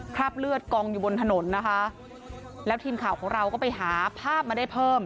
คราบเลือดกองอยู่บนถนนนะคะแล้วทีมข่าวของเราก็ไปหาภาพมาได้เพิ่ม